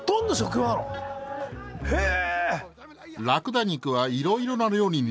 へえ！